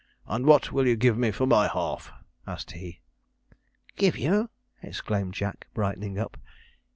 'And what will you give me for my half?' asked he. 'Give you!' exclaimed Jack, brightening up.